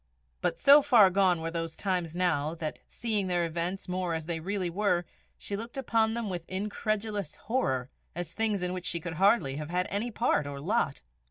But so far gone were those times now, that, seeing their events more as they really were, she looked upon them with incredulous horror, as things in which she could hardly have had any part or lot.